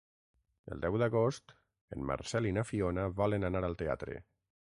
El deu d'agost en Marcel i na Fiona volen anar al teatre.